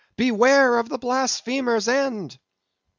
—beware of the blasphemer's end!"